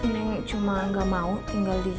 neng cuma gak mau tinggal di